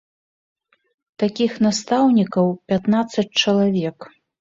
Такіх настаўнікаў пятнаццаць чалавек.